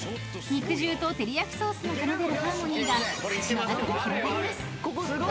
［肉汁とテリヤキソースの奏でるハーモニーが口の中で広がります］